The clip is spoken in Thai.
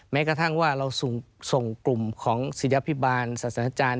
แม้กระทั่งว่าเราส่งกลุ่มของศิลภิบาลศาสนาจารย์